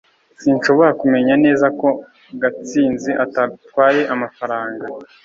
s] sinshobora kumenya neza ko gatsinzi atatwaye amafaranga